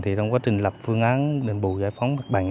thì trong quá trình lập phương án đền bù giải phóng mặt bằng